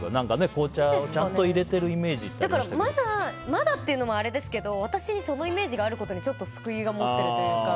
紅茶をちゃんといれてるイメージってまだっていうのもあれですけど私にそのイメージがあることにちょっと救いが持てるというか。